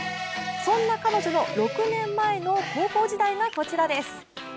そんな彼女の６年前の高校時代がこちらです。